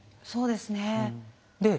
そうですね。